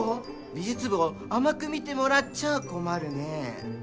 美術部を甘く見てもらっちゃあ困るね。